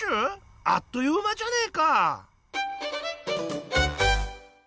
あっという間じゃねえか！